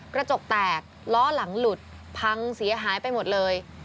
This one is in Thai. กระจกแตกล้อหลังหลุดพังเสียหายไปหมดเลย